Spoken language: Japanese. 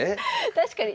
確かに。